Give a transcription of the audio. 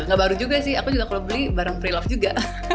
nggak baru juga sih aku juga kalau beli barang pre love juga